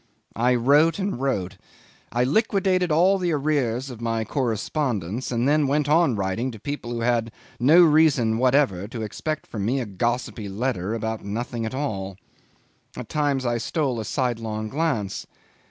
I wrote and wrote; I liquidated all the arrears of my correspondence, and then went on writing to people who had no reason whatever to expect from me a gossipy letter about nothing at all. At times I stole a sidelong glance.